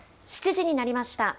７時になりました。